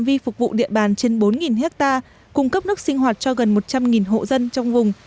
vi phục vụ địa bàn trên bốn hectare cung cấp nước sinh hoạt cho gần một trăm linh hộ dân trong vùng